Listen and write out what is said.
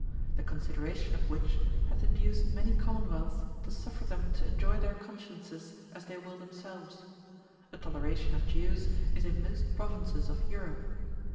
The consideration of which, hath induced many commonwealths to suffer them to enjoy their consciences as they will themselves: a toleration of Jews is in most provinces of Europe.